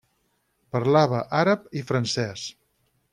Parlava àrab i francès.